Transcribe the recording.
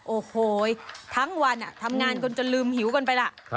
โอ้โหทั้งวันทำงานกันจนลืมหิวกันไปล่ะ